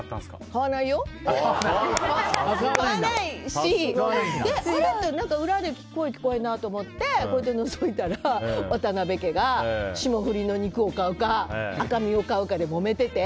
買わないし裏で声が聞こえるなと思ってのぞいたら渡辺家が霜降りの肉を買うか赤身を買うかでもめてて。